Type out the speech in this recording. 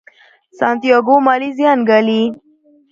سانتیاګو مالي زیان ګالي.